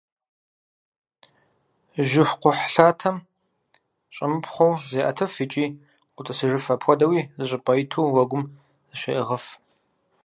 Жьыхукхъухьлъатэм щӏэмыпхъуэу зеӏэтыф икӏи къотӏысыжыф, апхуэдэуи зы щӏыпӏэм иту уэгум зыщеӏыгъыф.